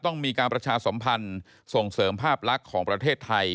ต้องมีการประชาสมพันธ์ส่งเสริมภาพลักษณ์ของประเทศไทย